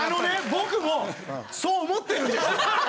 僕もそう思ってるんですよ。